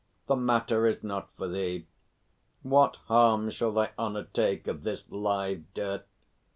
The matter is not for thee. What harm shall thy honour take of this live dirt?